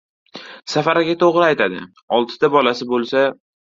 Safar aka to‘g‘ri aytadi. Oltita bolasi bo‘lsa.